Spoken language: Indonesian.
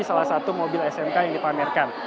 salah satu mobil smk yang dipamerkan